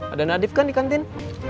ada nadif kan di kantin